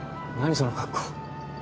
その格好。